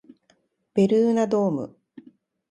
ベルーナドーム